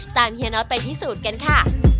เฮียน็อตไปพิสูจน์กันค่ะ